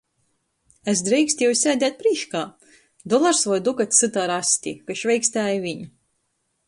Es dreikstieju sēdēt prīškā! Dolars voi Dukats syta ar asti, ka šveikstēja viņ.